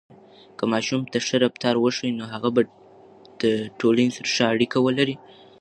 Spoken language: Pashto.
که ماشوم ته ښه رفتار وښیو، نو هغه به ټولنې سره ښه اړیکه ولري.